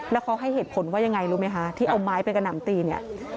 แล้วเขาให้เหตุผลว่ายังไงรู้ไหมคะที่เอาไม้ไปกระหน่ำตีเนี่ย